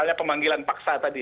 dan ketentuan dalam mdr tiga